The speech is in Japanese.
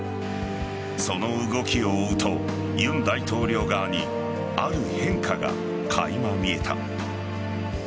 その動きを追うと、尹大統領側にある変化がかいま見えた。